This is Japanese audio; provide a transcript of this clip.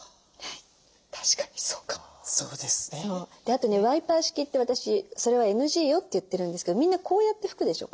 あとねワイパー式って私それはＮＧよって言ってるんですけどみんなこうやって拭くでしょ。